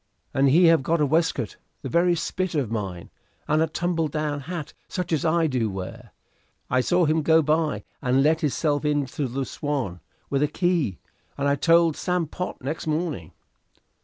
"And he have got a waistcoat the very spit of mine, and a tumble down hat such as I do wear. I saw him go by and let hisself into the 'Swan' with a key, and I told Sam Pott next morning."